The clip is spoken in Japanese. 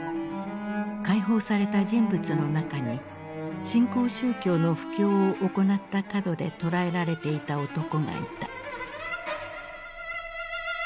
解放された人物の中に新興宗教の布教を行ったかどで捕らえられていた男がいた。